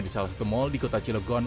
di salah temol di kota cilegon